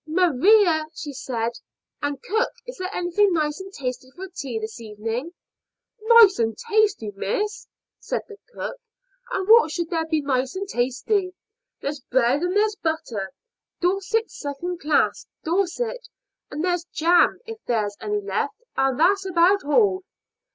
"Maria," she said, "and cook, is there anything nice and tasty for tea this evening?" "Nice and tasty, miss!" said cook. "And what should there be nice and tasty? There's bread, and there's butter Dorset, second class Dorset and there's jam (if there's any left); and that's about all."